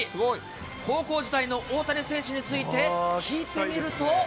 高校時代の大谷選手について聞いてみると。